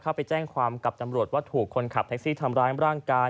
ไปแจ้งความกับตำรวจว่าถูกคนขับแท็กซี่ทำร้ายร่างกาย